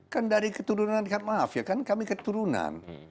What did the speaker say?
kan dari keturunan maaf ya kan kami keturunan